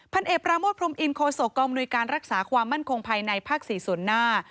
เอกปราโมทพรมอินโคศกองมนุยการรักษาความมั่นคงภายในภาค๔ส่วนหน้า